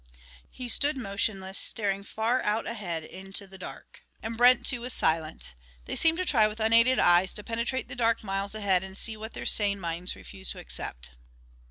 He stood motionless, staring far out ahead into the dark. And Brent, too, was silent. They seemed to try with unaided eyes to penetrate the dark miles ahead and see what their sane minds refused to accept.